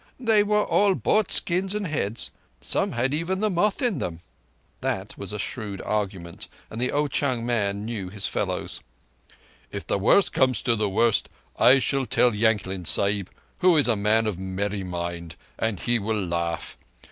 They were all bought skins and heads. Some had even the moth in them." That was a shrewd argument, and the Ao chung man knew his fellows. "If the worst comes to the worst, I shall tell Yankling Sahib, who is a man of a merry mind, and he will laugh.